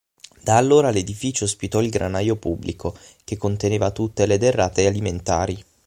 Da allora l'edificio ospitò il granaio pubblico, che conteneva tutte le derrate alimentari.